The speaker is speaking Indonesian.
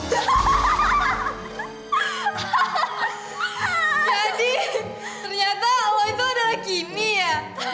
jadi ternyata lo itu adalah kini ya